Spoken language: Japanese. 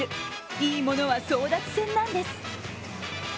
いいものは争奪戦なんです。